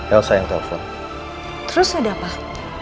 elsa yang telepon terus sudah pak